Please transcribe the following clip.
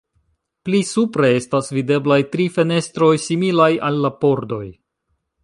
Pli supre estas videblaj tri fenestroj similaj al la pordoj.